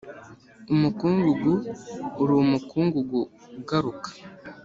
umukungugu uri, umukungugu ugaruka,